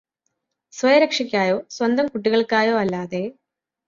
സ്വയരക്ഷയ്കായോ സ്വന്തം കുട്ടികള്ക്കായോ അല്ലാതെ